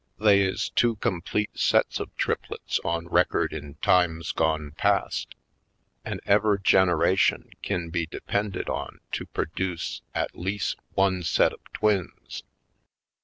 They is two complete sets of triplets on record in times gone past, an' ever' generation kin be depended on to perduce at leas' one set of twins.